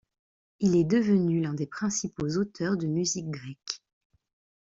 Il est devenu l’un des principaux auteurs de musique grecque.